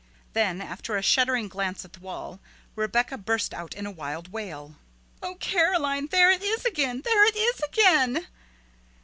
Then after a shuddering glance at the wall Rebecca burst out in a wild wail. "Oh, Caroline, there it is again, there it is again!"